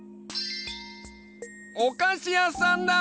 おかしやさんだ！